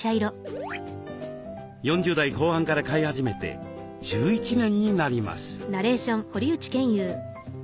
４０代後半から飼い始めて１１年になります。